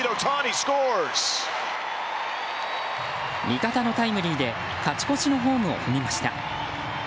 味方のタイムリーで勝ち越しのホームを踏みました。